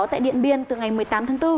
tại điện biên từ ngày một mươi tám tháng bốn